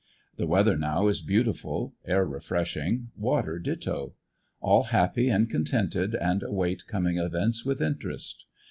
The weather now is beautiful, air refreshing, water ditto; all happy and contented and await coming events with interest.